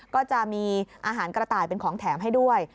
ก็จะมีอาหารกระต่ายเป็นของแถมให้ด้วย